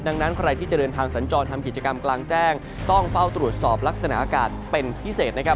ดังนั้นใครที่จะเดินทางสัญจรทำกิจกรรมกลางแจ้งต้องเฝ้าตรวจสอบลักษณะอากาศเป็นพิเศษนะครับ